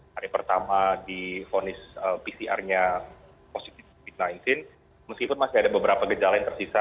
hari pertama di vonis pcr nya positif covid sembilan belas meskipun masih ada beberapa gejala yang tersisa